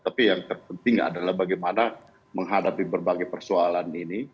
tapi yang terpenting adalah bagaimana menghadapi berbagai persoalan ini